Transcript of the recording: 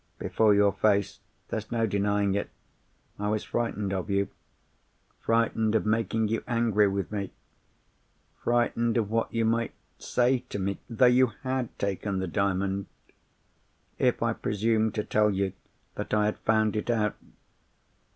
Before your face—there's no denying it—I was frightened of you; frightened of making you angry with me; frightened of what you might say to me (though you had taken the Diamond) if I presumed to tell you that I had found it out.